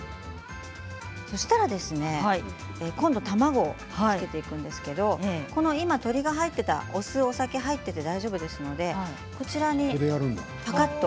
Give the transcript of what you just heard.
そうしたら今度は卵をつけていくんですけれど今、鶏肉が入っていたお酢入っていて大丈夫ですのでこの中にぱかっと。